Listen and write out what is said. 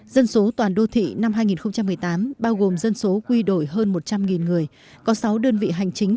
dân số toàn đô thị năm hai nghìn một mươi tám bao gồm dân số quy đổi hơn một trăm linh người có sáu đơn vị hành chính